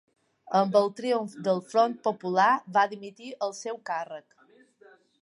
Amb el triomf del Front Popular va dimitir del seu càrrec.